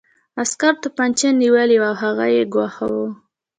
عسکر توپانچه نیولې وه او هغه یې ګواښه